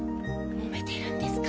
もめてるんですか？